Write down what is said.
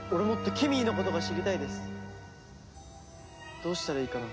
どうしたらいいかな？